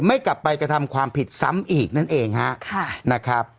ไม่กลับไปกระทำความผิดซ้ำอีกนั่นเองฮะนะครับ